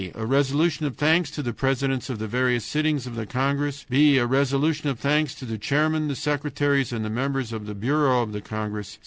A resolution of thanks to the presidents of the various sittings of the congress. "b. A resolution of thanks to the chairman, the secretaries, and the members of the bureau of the congress.